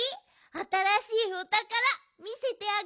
あたらしいおたからみせてあげるよ。